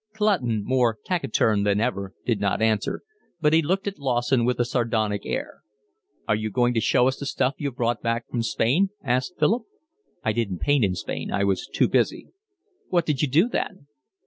Clutton, more taciturn than ever, did not answer, but he looked at Lawson with a sardonic air. "Are you going to show us the stuff you've brought back from Spain?" asked Philip. "I didn't paint in Spain, I was too busy." "What did you do then?"